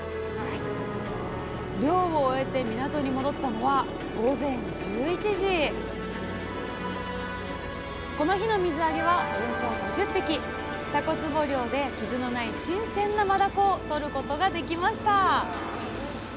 漁を終えて港に戻ったのはこの日の水揚げはたこつぼ漁で傷のない新鮮なマダコをとることができました。